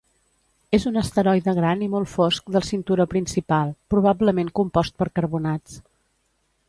És un asteroide gran i molt fosc del cinturó principal, probablement compost per carbonats.